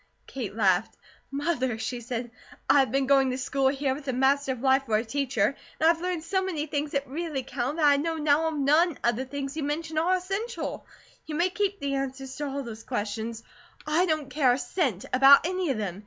Kate laughed: "Mother," she said, "I have been going to school here, with the Master of Life for a teacher; and I've learned so many things that really count, that I know now NONE of the things you mention are essential. You may keep the answers to all those questions; I don't care a cent about any of them.